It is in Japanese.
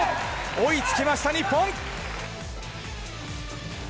追いつきました、日本。